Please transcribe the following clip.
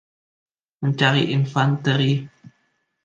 Mencari infanteri.